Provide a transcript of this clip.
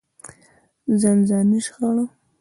ځانځاني شخړه.